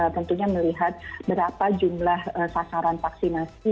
tentunya melihat berapa jumlah sasaran vaksinasi